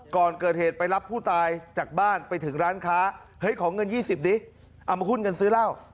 ก่อนเกิดเหตุไปรับผู้ตายจากบ้านไปถึงร้านค้าเฮ้ยขอเงิน๒๐ดิเอามาหุ้นเงินซื้อเหล้า